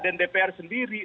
dan dpr sendiri